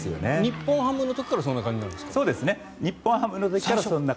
日本ハムの時からそんな感じですね。